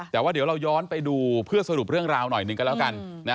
แต่ว่าเดี๋ยวเราย้อนไปดูเพื่อสรุปเรื่องราวหน่อยหนึ่งกันแล้วกัน